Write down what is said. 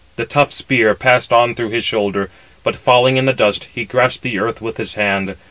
The tough spear passed on through his shoulder, but falling in the dust, he grasped the earth with his hand.